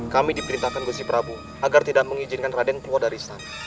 kami diperintahkan gozi prabu agar tidak mengizinkan raden keluar dari istana